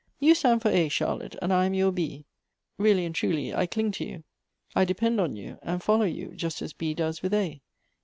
You stand for A, Charlotte, and I am your B ; really and truly I cling to you, I depend on you, and follow you, just as B does with A.